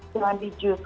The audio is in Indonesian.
jangan di jus